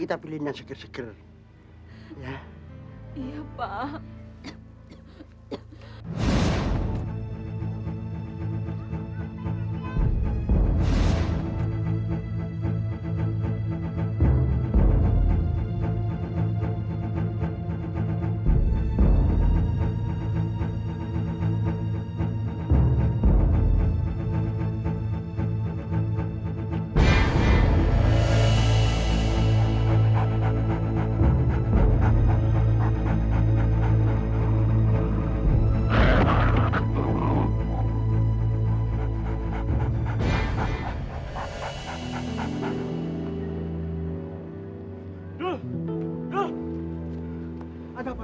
eh pedagang bunga bukan cuma kita aja bu